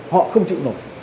họ không chịu nổi